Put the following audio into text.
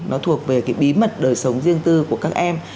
nó thuộc về cái bí mật đời sống riêng tư của các em